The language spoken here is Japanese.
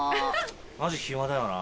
マジ暇だよな。